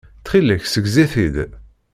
Ttxilek ssegzi-t-id.